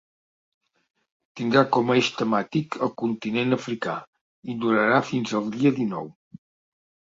Tindrà com a eix temàtic el continent africà i durarà fins al dia dinou.